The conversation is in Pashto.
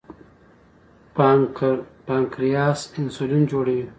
پانکریاس انسولین جوړوي.